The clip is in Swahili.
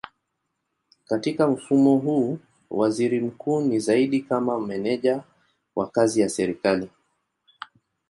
Katika mfumo huu waziri mkuu ni zaidi kama meneja wa kazi ya serikali.